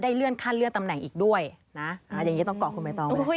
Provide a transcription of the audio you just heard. ได้เลื่อนขั้นเลื่อนตำแหน่งในช่วงนี้หรือคะ